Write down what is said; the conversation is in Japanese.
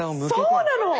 そうなの！